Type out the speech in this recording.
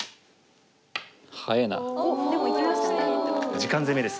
時間攻めです